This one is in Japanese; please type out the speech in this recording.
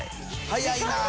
早いなあ！